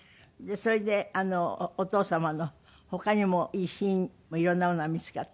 それでお父様の他にも遺品いろんなものが見付かった？